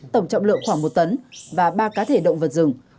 tổng trọng lượng khoảng một tấn và ba cá thể động vật rừng